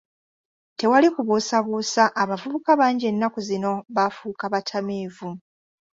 Tewali kubuusabuusa abavubuka bangi ennaku zino baafuuka batamiivu.